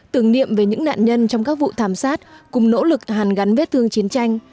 tưởng niệm về những nạn nhân trong các vụ thảm sát cùng nỗ lực hàn gắn vết thương chiến tranh